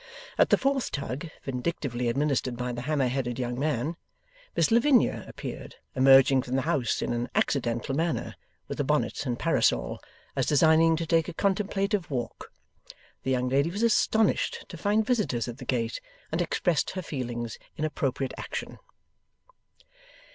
At the fourth tug vindictively administered by the hammer headed young man Miss Lavinia appeared, emerging from the house in an accidental manner, with a bonnet and parasol, as designing to take a contemplative walk. The young lady was astonished to find visitors at the gate, and expressed her feelings in appropriate action.